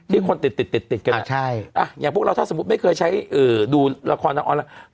ที่คนติดกันแหละอย่างพวกเราถ้าสมมุติไม่เคยใช้ดูละครต่างแล้ว